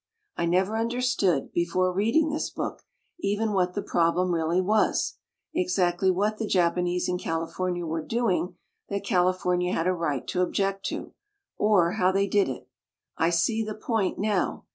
I never un derstood, before reading this book, even what the problem really was, exactly what the Jap anese in California were doing that California had a right to object to, or how they did it. I see the point now.